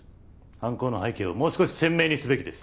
犯行の背景をもう少し鮮明にすべきです。